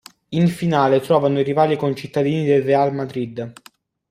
In finale trovano i rivali concittadini del Real Madrid.